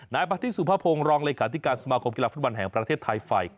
นายประธิสุภาพงศ์รองรายการสมาคมกีฬาฟุตบอลแห่งประเทศไทยไฟ